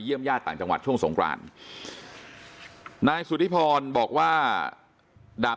ญาติต่างจังหวัดช่วงสงครานนายสุธิพรบอกว่าดาบ